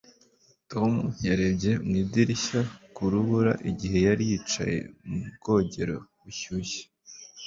tom yarebye mu idirishya ku rubura igihe yari yicaye mu bwogero bushyushye